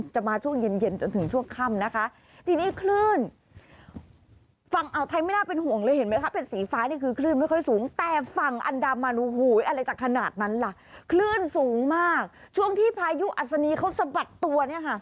ช่วงที่พายุอัศนีเขาสะบัดตัว